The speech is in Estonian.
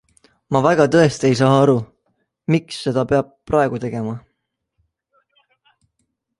Ma väga tõesti ei saa aru, miks seda peab praegu tegema.